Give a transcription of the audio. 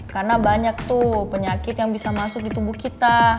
karena banyak tuh penyakit yang bisa masuk di tubuh kita